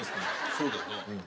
そうだよな。